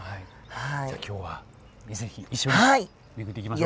じゃあ今日は是非一緒に巡っていきましょう。